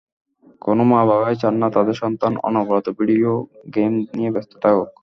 কোনো মা-বাবাই চান না, তাঁদের সন্তান অনবরত ভিডিও গেম নিয়ে ব্যস্ত থাকুক।